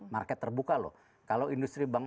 market terbuka loh kalau industri bank